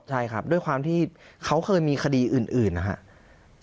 ใช่ครับด้วยความที่เขาเคยมีคดีอื่นนะครับ